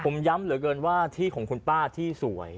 ผมย้ำเหลือเกินว่าที่ของคุณป้าที่สวย